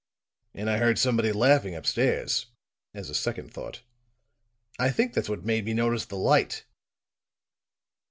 And I heard somebody laughing upstairs," as a second thought. "I think that's what made me notice the light."